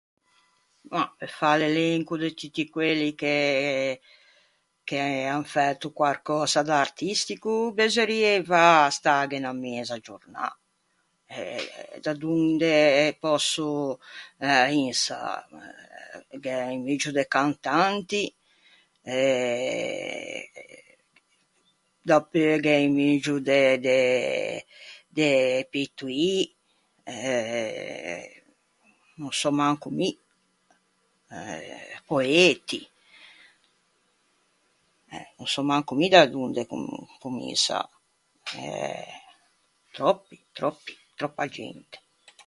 Mah, pe fâ l'elenco de tutti quelli che... che an fæto quarcösa d'artistico besorrieiva stâghe unna meza giornâ. Eh... da donde pòsso insâ? Eh, gh'é un muggio de cantanti, e... dapeu gh'é un muggio de de de pittoî... e no sò manco mi. Eh... poeti... eh. No sò manco mi da donde com- cominsâ, eh. Tròppi, tròppi, tròppa gente.